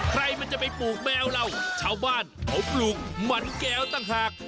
ใครมันจะปลูกแมวล่ะยังเช้าบ้านก็ปลูกหมั่งแกั้วต่างหาก